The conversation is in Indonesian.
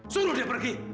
suruh dia pergi